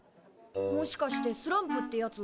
もしかしてスランプってやつ？